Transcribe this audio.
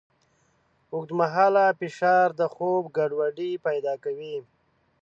اوږدمهاله فشار د خوب ګډوډۍ پیدا کوي.